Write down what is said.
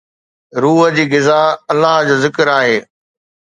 روح جي غذا الله جو ذڪر آهي